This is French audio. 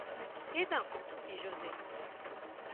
Et d’un ! fit José